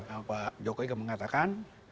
pak jokowi mengatakan